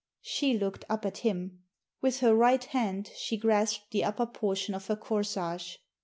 She looked up at him. With her right hand she grasped the upper portion of her corsage.